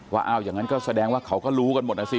ว่าอ้าวอย่างนั้นก็แสดงว่าเขาก็รู้กันหมดนะสิ